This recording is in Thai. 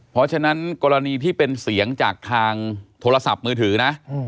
เพราะฉะนั้นกรณีที่เป็นเสียงจากทางโทรศัพท์มือถือนะ